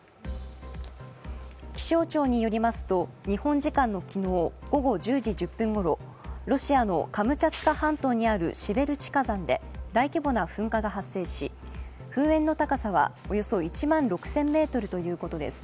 気象庁によりますと、日本時間の昨日午後１０時１０分ごろ、ロシアのカムチャツカ半島にあるシベルチ火山で大規模な噴火が発生し、噴煙の高さはおよそ１万６０００ｍということです。